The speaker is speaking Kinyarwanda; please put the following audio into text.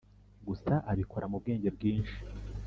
gusa abikora mu bwenge bwinshi